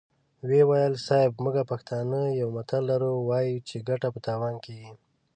ويې ويل: صيب! موږ پښتانه يو متل لرو، وايو چې ګټه په تاوان کېږي.